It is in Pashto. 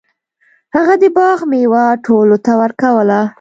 هغه د باغ میوه ټولو ته ورکوله.